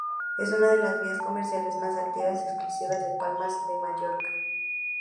Es una de las vías comerciales más activas y exclusivas de Palma de Mallorca.